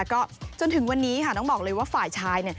ก็จนถึงวันนี้ค่ะต้องบอกเลยว่าฝ่ายชาย